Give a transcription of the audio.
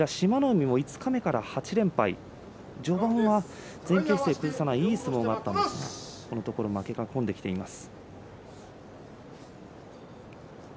海も五日目から８連敗序盤は前傾姿勢のいい相撲だったんですがこのところ負けが込んできています。